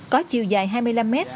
có chiều dài hai mươi năm m